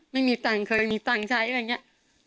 ไม่มีสั่งเคยมีสั่งใช้อะไรอย่างเงี้ย